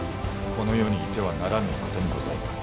この世にいてはならぬお方にございます。